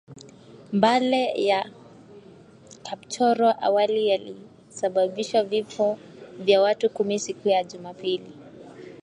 Mbale na Kapchorwa awali yalisababisha vifo vya watu kumi siku ya Jumapili